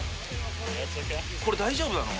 これ大丈夫なの？